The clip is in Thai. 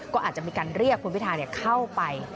ก็อาจจะมีการเรียกคุณพิทาเข้าไป